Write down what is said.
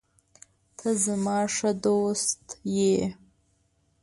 ته زما ښه دوست یې.